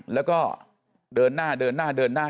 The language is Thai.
แล้วก็เดินหน้าเดินหน้าเดินหน้า